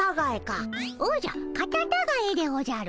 おじゃカタタガエでおじゃる。